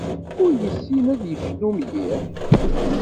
Ur yessin ad yecnu mliḥ.